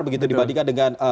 begitu dibandingkan dengan jepang